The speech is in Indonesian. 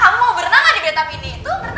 kamu pernah gak di betap ini